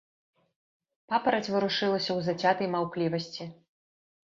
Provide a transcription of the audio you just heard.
Папараць варушылася ў зацятай маўклівасці.